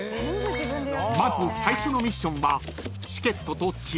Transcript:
［まず最初のミッションは］